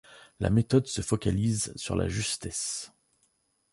La méthode se focalise sur la justesse.